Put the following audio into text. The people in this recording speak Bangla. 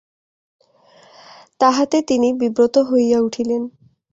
তাহাতে তিনি বিব্রত হইয়া উঠিলেন।